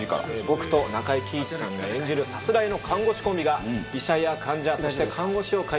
僕と中井貴一さんが演じるさすらいの看護師コンビが医者や患者そして看護師を変えていく物語です。